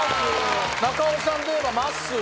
中尾さんといえばまっすー。